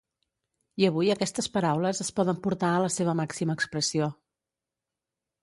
I avui aquestes paraules es poden portar a la seva màxima expressió.